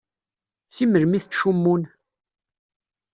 Si melmi i ttcummun?